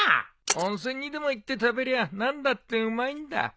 温泉にでも行って食べりゃ何だってうまいんだ。